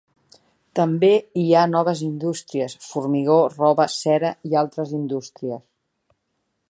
També hi ha noves indústries: formigó, roba, cera i altres indústries.